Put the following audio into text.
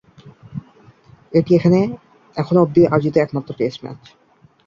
এটি এখানে এখনো অব্দি আয়োজিত একমাত্র টেস্ট ম্যাচ।